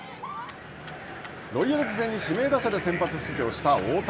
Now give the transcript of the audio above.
ロイヤルズ戦に指名打者で先発出場した大谷。